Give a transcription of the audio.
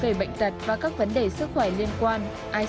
vấn đề bệnh tật và các vấn đề sức khỏe liên quan